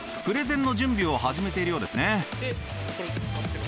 プレゼンの準備を始めているようですね。